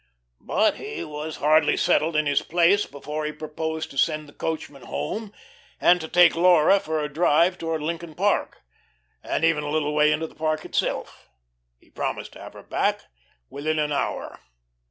But he was hardly settled in his place before he proposed to send the coachman home, and to take Laura for a drive towards Lincoln Park, and even a little way into the park itself. He promised to have her back within an hour.